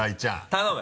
頼む！